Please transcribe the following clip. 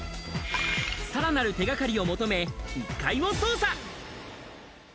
さらなる手掛かりを求め、１階を捜査。